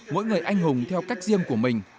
mỗi người anh hùng theo cách riêng của mình